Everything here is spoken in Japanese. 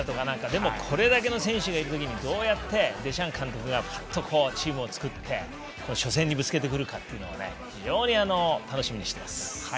でも、これだけの選手がいるときにどうやってデシャン監督がチームを作って初戦にぶつけてくるか非常に楽しみにしてます。